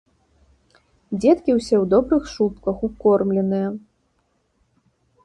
Дзеткі ўсе ў добрых шубках, укормленыя.